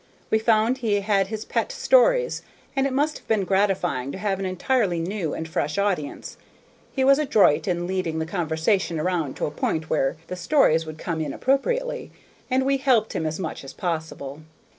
We found he had his pet stories, and it must have been gratifying to have an entirely new and fresh audience. He was adroit in leading the conversation around to a point where the stories would come in appropriately, and we helped him as much as possible.